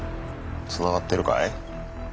つながってるかい？